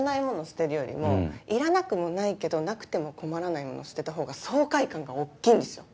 捨てるよりもいらなくもないけどなくても困らないもの捨てたほうが爽快感が大っきいんですよ。